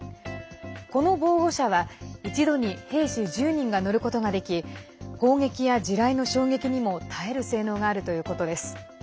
この防護車は、一度に兵士１０人が乗ることができ砲撃や地雷の衝撃にも耐える性能があるということです。